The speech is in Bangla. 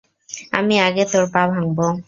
আমি আগে তোর পা ভাঙবো।